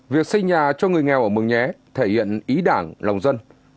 việc xây nhà cho người nghèo ở mường nhé thể hiện ý đảng lòng dân